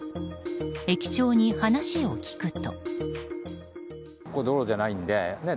駅長に話を聞くと。